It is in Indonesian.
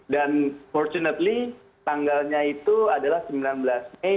dan fortunately tanggalnya itu adalah sembilan belas mei